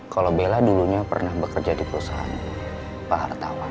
kalau bella dulunya pernah bekerja di perusahaan pak wartawan